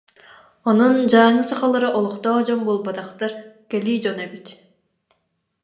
Онон Дьааҥы сахалара олохтоох дьон буолбатахтар, кэлии дьон эбит